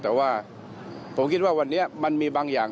แต่ว่าผมคิดว่าวันนี้มันมีบางอย่าง